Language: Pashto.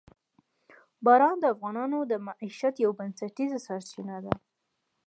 باران د افغانانو د معیشت یوه بنسټیزه سرچینه ده.